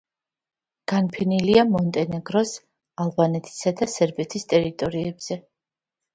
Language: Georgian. განფენილია მონტენეგროს, ალბანეთისა და სერბეთის ტერიტორიებზე.